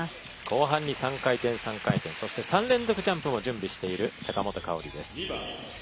後半に３回転、３回転そして３連続ジャンプも準備している坂本花織です。